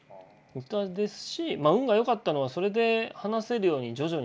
ですし運が良かったのはそれで話せるように徐々になってきた。